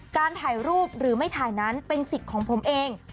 การถ่ายรูปหรือไม่ถ่ายนั้นเป็นสิทธิ์ของผมเอง